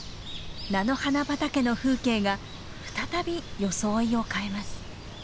菜の花畑の風景が再び装いを変えます。